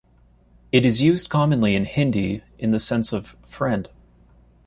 It is used commonly in "Hindi" in the sense of "friend".